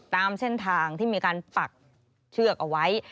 ตามเส้นทางที่มีการปักเชือกเอาไว้